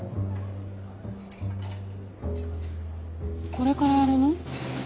これからやるの？